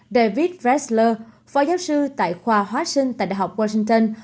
david fresler phó giáo sư tại khoa hóa sinh tại đại học washington